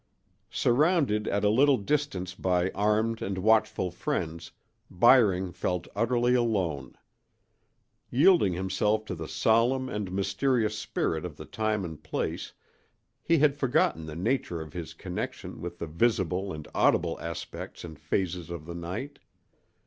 Surrounded at a little distance by armed and watchful friends, Byring felt utterly alone. Yielding himself to the solemn and mysterious spirit of the time and place, he had forgotten the nature of his connection with the visible and audible aspects and phases of the night.